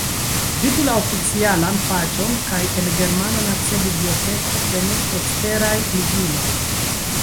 Vidu la oficialan paĝon kaj en Germana Nacia Biblioteko en eksteraj ligiloj.